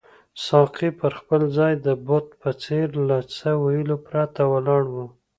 ساقي پر خپل ځای د بت په څېر له څه ویلو پرته ولاړ وو.